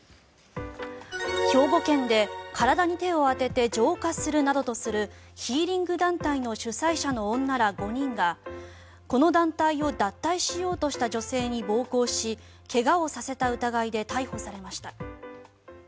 兵庫県で体に手を当てて浄化するなどとするヒーリング団体の主宰者の女ら５人がこの団体を脱退しようとした女性に暴行し怪我をさせた疑いで逮捕されました。